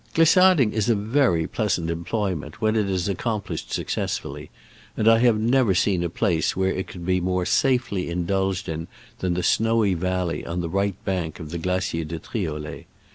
Glissading is a very pleasant employ ment when it is accomplished success fully, and I have never seen a place where it can be more safely indulged in than the snowy valley on the right bank of the Glacier de Triolet.